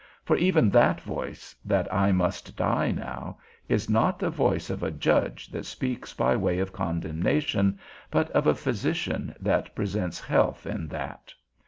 for even that voice, that I must die now, is not the voice of a judge that speaks by way of condemnation, but of a physician that presents health in that.